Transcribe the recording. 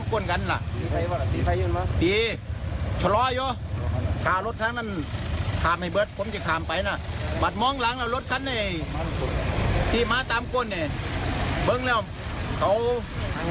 ฝนก็ทันอย่างแหงมองเห็นทางอยู่